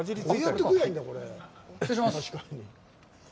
失礼します。